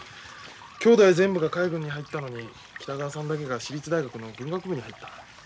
きょうだい全部が海軍に入ったのに北川さんだけが私立大学の文学部に入った。